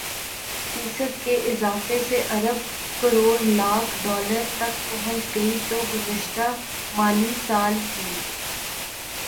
فیصد کے اضافے سے ارب کروڑ لاکھ ڈالر تک پہنچ گئی جو گزشتہ مالی سال کی